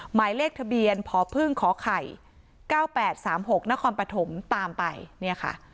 หมายเลขทะเบียนพอพึ่งขอไข่๙๘๓๖ณคอมปะถมตามไปเนี่ยค่ะ